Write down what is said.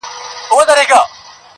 هر سړي به ویل ښه سو چي مردار سو٫